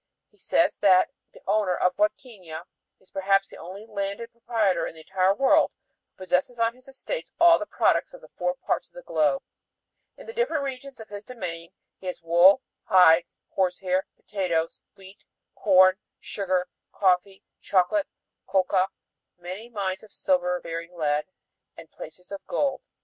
He says that the owner of Huadquiña "is perhaps the only landed proprietor in the entire world who possesses on his estates all the products of the four parts of the globe. In the different regions of his domain he has wool, hides, horsehair, potatoes, wheat, corn, sugar, coffee, chocolate, coca, many mines of silver bearing lead, and placers of gold."